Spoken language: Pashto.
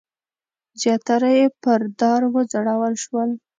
زیاتره یې پر دار وځړول شول.